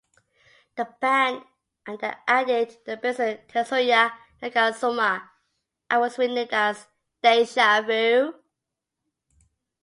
The band had then added bassist Tetsuya Nagatsuma, and was renamed as "Deja Vu".